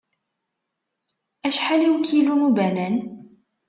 Acḥal i ukilu n ubanan?